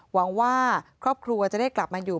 หวังว่าครอบครัวจะได้กลับมาอยู่